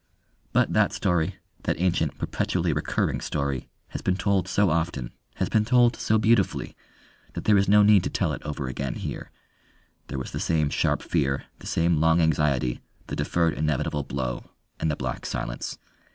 But that story, that ancient, perpetually recurring story, has been told so often, has been told so beautifully, that there is no need to tell it over again here. There was the same sharp fear, the same long anxiety, the deferred inevitable blow, and the black silence.